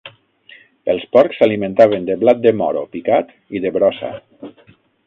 Els porcs s'alimentaven de blat de moro picat i de brossa.